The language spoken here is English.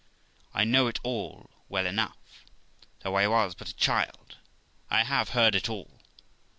I know it all well enough; though I was but a child, I have heard it all.'